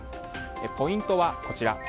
ポイントはこちら。